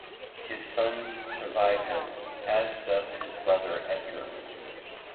His sons survive him, as does his brother Edgar.